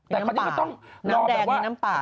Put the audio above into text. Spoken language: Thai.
แต่คราวนี้ก็ต้องรอแบบว่า